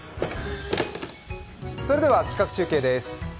それでは企画中継です。